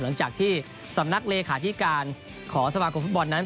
หลังจากที่สำนักเลขาธิการของสมาคมฟุตบอลนั้น